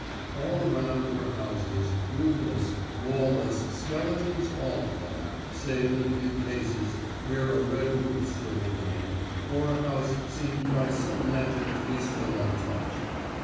All around were houses; roofless, wall less skeletons all of them, save in a few cases, where a red roof still remained, or a house seemed by some magic to be still untouched.